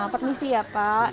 permisi ya pak